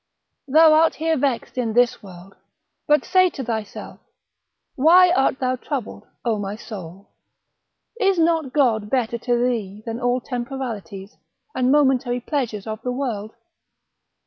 Thou art here vexed in this world; but say to thyself, Why art thou troubled, O my soul? Is not God better to thee than all temporalities, and momentary pleasures of the world?